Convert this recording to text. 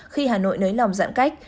khi hà nội nới lòng giãn cách